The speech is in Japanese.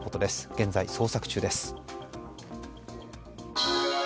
現在、捜索中です。